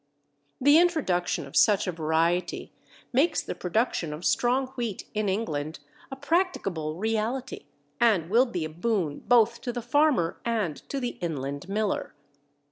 The introduction of such a variety makes the production of strong wheat in England a practicable reality, and will be a boon both to the farmer and to the inland miller.